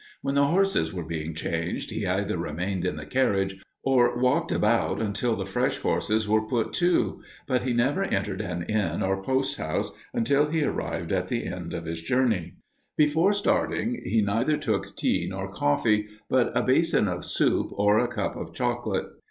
When the horses were being changed, he either remained in the carriage, or walked about until the fresh horses were put to; but he never entered an inn or post house until he arrived at the end of his journey. Before starting, he neither took tea nor coffee, but a basin of soup, or a cup of chocolate.